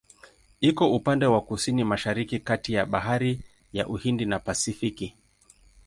Iko upande wa Kusini-Mashariki kati ya Bahari ya Uhindi na Pasifiki.